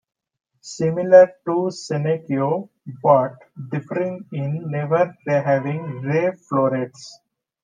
Similar to Senecio, but differing in never having ray florets.